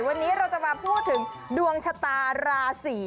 วันนี้เราจะมาพูดถึงดวงชะตาราศี